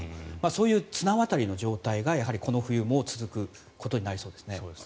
そういう綱渡りの状態がこの冬も続くことになりそうですね。